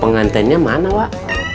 pengantennya mana wak